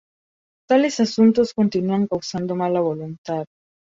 Tales asuntos continúan causando mala voluntad.